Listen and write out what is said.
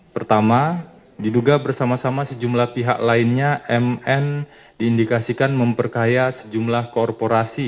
pertama diduga bersama sama sejumlah pihak lainnya mn diindikasikan memperkaya sejumlah korporasi